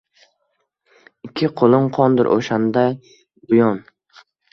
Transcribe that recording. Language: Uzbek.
Ikki qo’lim qondir o’shandan buyon».